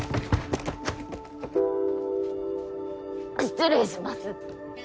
失礼します。